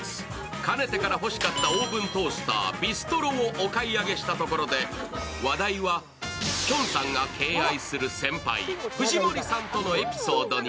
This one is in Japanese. かねてから欲しかったオーブントースター・ビストロをお買い上げしたところで話題はきょんさんが敬愛する先輩、藤森さんとのエピソードに。